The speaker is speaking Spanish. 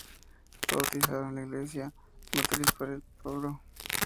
Bautizado en la Iglesia Matriz por el Pbro.